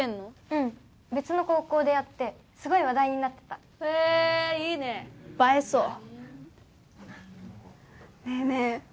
うん別の高校でやってすごい話題になってたへえいいね映えそうねえねえ